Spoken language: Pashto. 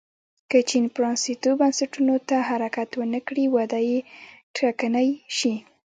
که چین پرانیستو بنسټونو ته حرکت ونه کړي وده یې ټکنۍ شي.